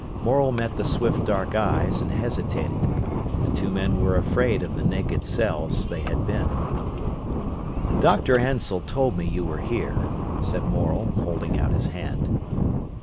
Morel met the swift, dark eyes, and hesitated. The two men were afraid of the naked selves they had been. "Dr. Ansell told me you were here," said Morel, holding out his hand.